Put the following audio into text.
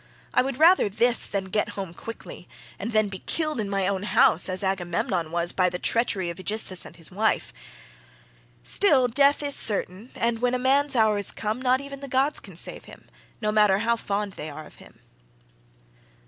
I would rather this, than get home quickly, and then be killed in my own house as Agamemnon was by the treachery of Aegisthus and his wife. Still, death is certain, and when a man's hour is come, not even the gods can save him, no matter how fond they are of him."